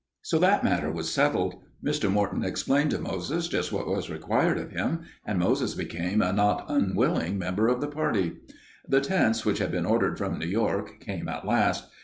So that matter was settled. Mr. Morton explained to Moses just what was required of him, and Moses became a not unwilling member of the party. The tents, which had been ordered from New York, came at last.